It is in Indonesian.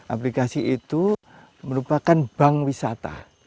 aplikasi itu merupakan bank wisata